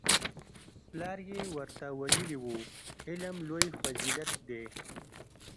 پلار یې ورته ویلي وو علم لوی فضیلت دی